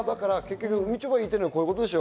みちょぱが言ってるのこういうことでしょ。